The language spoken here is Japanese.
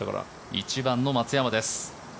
１番の松山です。